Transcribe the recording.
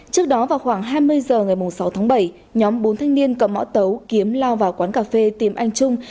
trước đó vào khoảng hai mươi h ngày sáu tháng bảy nhóm bốn thanh niên cầm mã tấu kiếm lao vào quán cà phê tìm anh trung